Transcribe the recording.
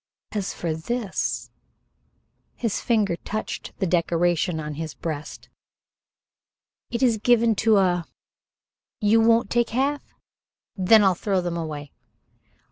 "As for this," his finger touched the decoration on his breast "it is given to a You won't take half? Then I'll throw them away."